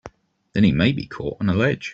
Then he may be caught on a ledge!